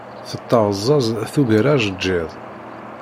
Tetteɣzaẓ tugar ajeǧǧiḍ.